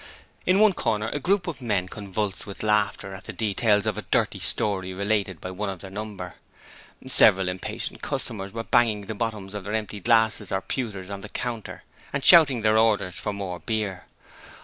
In one corner a group of men convulsed with laughter at the details of a dirty story related by one of their number. Several impatient customers were banging the bottoms of their empty glasses or pewters on the counter and shouting their orders for more beer.